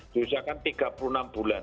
diusahakan tiga puluh enam bulan